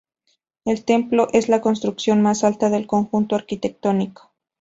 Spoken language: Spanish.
El templo es la construcción más alta del conjunto arquitectónico.